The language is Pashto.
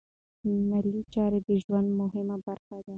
مالي چارې د ژوند مهمه برخه ده.